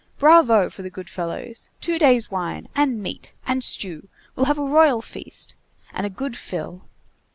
Bravo for the good fellows! Two days' wine! and meat! and stew! we'll have a royal feast! and a good fill!"